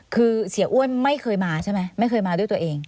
คือเสียอ้วนไม่เคยมาใช่ไหมไม่เคยมาด้วยตัวเอง